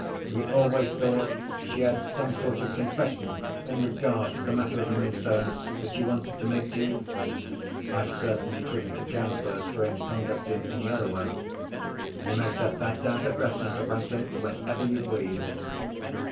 "You always thought she had some sort of confession in regard to this matter of the Moonstone, which she wanted to make to you?" "I certainly couldn't account for her strange conduct in any other way." "You may set that doubt at rest, Mr. Franklin, whenever you please."